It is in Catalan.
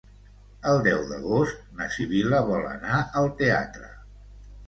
El deu d'agost na Sibil·la vol anar al teatre.